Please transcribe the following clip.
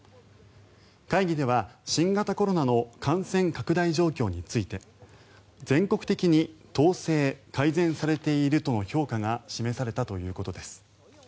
会議では新型コロナの感染拡大状況について全国的に統制・改善されているとの評価が示されたということです。